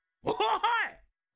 おい。